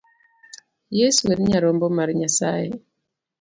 Yeso en nyarombo mar Nyasaye.